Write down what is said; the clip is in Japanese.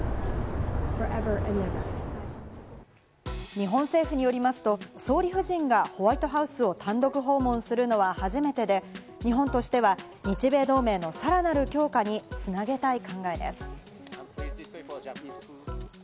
日本政府によりますと、総理夫人がホワイトハウスを単独訪問するのは初めてで、日本としては日米同盟のさらなる強化につなげたい考えです。